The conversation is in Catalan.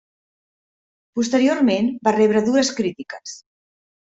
Posteriorment, va rebre dures crítiques.